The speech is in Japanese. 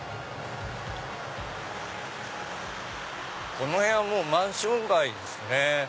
この辺はもうマンション街ですね。